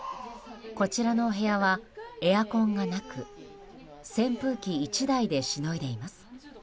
こちらのお部屋はエアコンがなく扇風機１台でしのいでいます。